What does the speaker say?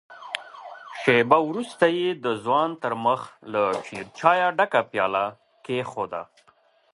شېبه وروسته يې د ځوان تر مخ له شيرچايه ډکه پياله کېښوده.